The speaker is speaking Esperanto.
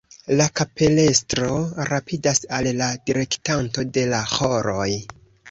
La kapelestro rapidas al la direktanto de la ĥoroj.